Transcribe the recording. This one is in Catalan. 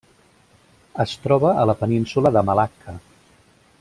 Es troba a la península de Malacca.